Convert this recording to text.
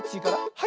はい。